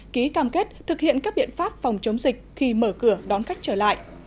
ký cam kết thực hiện các biện pháp phòng chống dịch khi mở cửa đón khách trở lại